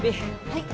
はい！